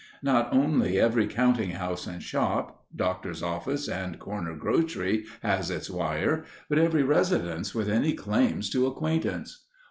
Not only every counting house and shop, doctor's office and corner grocery has its wire, but every residence with any claims to acquaintance.